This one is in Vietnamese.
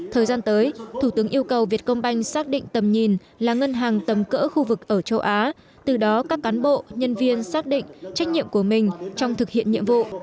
thời gian tới thủ tướng yêu cầu việt công banh xác định tầm nhìn là ngân hàng tầm cỡ khu vực ở châu á từ đó các cán bộ nhân viên xác định trách nhiệm của mình trong thực hiện nhiệm vụ